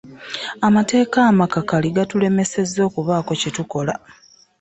Amateeka amakakali gatulemesezza okubaako kye tukola.